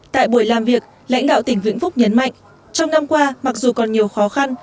tại buổi làm việc lãnh đạo tỉnh vĩnh phúc nhấn mạnh trong năm qua mặc dù còn nhiều khó khăn